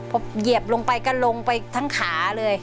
พอเหยียบลงไปก็ลงไปทั้งขาเลย